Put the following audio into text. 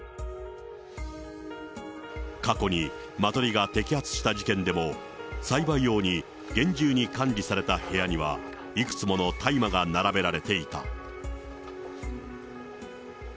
過去にマトリが摘発した事件でも、栽培用に厳重に管理された部屋には、いくつもの大麻が並べられていた。